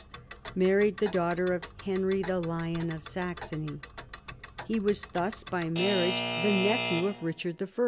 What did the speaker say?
married the daughter of Henry the Lion of Saxony. He was thus by marriage the nephew of Richard I.